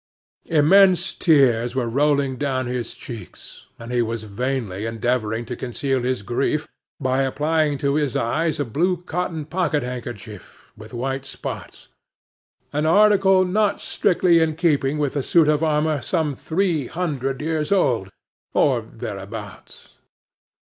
Immense tears were rolling down his cheeks, and he was vainly endeavouring to conceal his grief by applying to his eyes a blue cotton pocket handkerchief with white spots,—an article not strictly in keeping with a suit of armour some three hundred years old, or thereabouts.